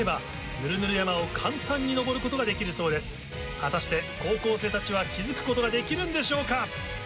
果たして高校生たちは気付くことができるんでしょうか？